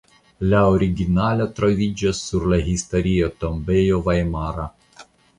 La originalo troviĝas sur la Historia tombejo vajmara.